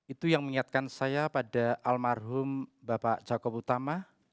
untuk krenditas pidato yang inspiratif